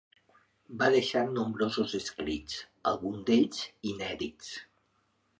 Va deixar nombrosos escrits, alguns d'ells inèdits.